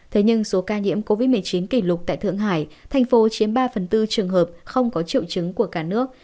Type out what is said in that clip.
thế nhưng số ca nhiễm covid một mươi chín kỷ lục tại thượng hải thành phố chiếm ba phần tư trường hợp không có triệu chứng của cả nước